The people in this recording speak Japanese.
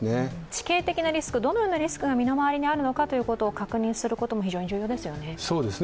地形的リスク、どのようなリスクが身の回りにあるのか、確認することも大事ですね。